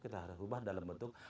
kita harus berubah dalam bentuk